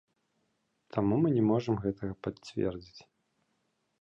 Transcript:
Таму мы не можам гэтага пацвердзіць.